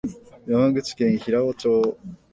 山口県平生町